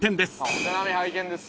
お手並み拝見です。